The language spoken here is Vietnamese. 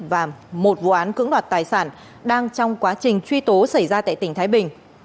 và một vụ án cưỡng đoạt tài sản đang trong quá trình truy tố xảy ra tại tỉnh thái bình